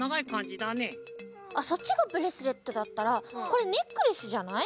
あっそっちがブレスレットだったらこれネックレスじゃない？